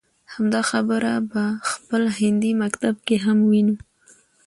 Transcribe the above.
همدا خبره په خپل هندي مکتب کې هم وينو.